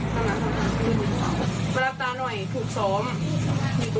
แต่แล้วแฟนหนูมันผิด